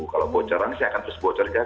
kalau bocoran saya akan terus bocorkan